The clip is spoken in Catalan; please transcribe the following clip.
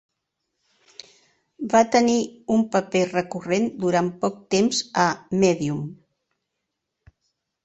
Va tenir un paper recurrent durant poc temps a "Medium".